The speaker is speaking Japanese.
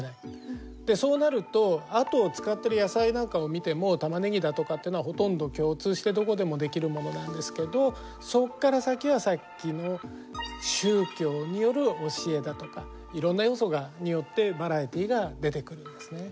そうなるとあと使ってる野菜なんかを見てもタマネギだとかっていうのはほとんど共通してどこでもできるものなんですけどそこから先はさっきの宗教による教えだとかいろんな要素によってバラエティーが出てくるんですね。